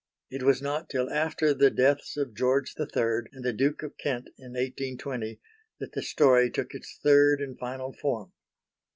It was not till after the deaths of George III and the Duke of Kent in 1820, that the story took its third and final form.